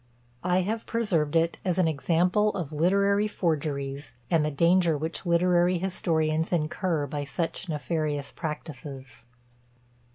I have preserved it as an example of Literary Forgeries, and the danger which literary historians incur by such nefarious practices.